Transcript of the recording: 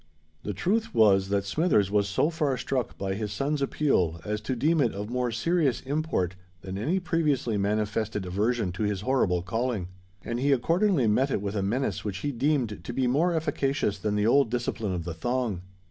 The truth was that Smithers was so far struck by his son's appeal as to deem it of more serious import than any previously manifested aversion to his horrible calling; and he accordingly met it with a menace which he deemed to be more efficacious than the old discipline of the thong.